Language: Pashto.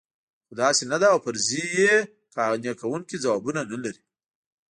خو داسې نه ده او فرضیې قانع کوونکي ځوابونه نه لري.